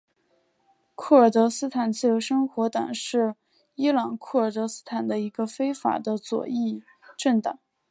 库尔德斯坦自由生活党是伊朗库尔德斯坦的一个非法的左翼政党。